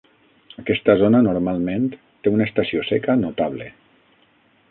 Aquesta zona normalment té una estació seca notable.